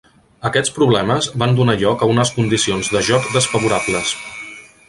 Aquests problemes van donar lloc a unes condicions de joc desfavorables.